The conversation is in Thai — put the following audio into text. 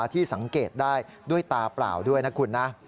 ที่สังเกตได้ด้วยตาเปล่าด้วยนะคุณนะ